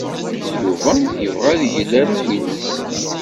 Yuba yebɣa ad yel arraw-nnes.